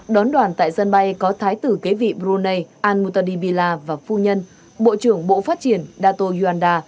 đón đoàn tại dân bay có thái tử kế vị brunei anmuta dibila và phu nhân bộ trưởng bộ phát triển dato yuanda